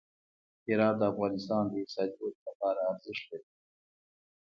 هرات د افغانستان د اقتصادي ودې لپاره ارزښت لري.